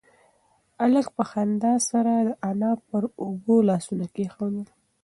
هلک په خندا سره د انا پر اوږو لاسونه کېښودل.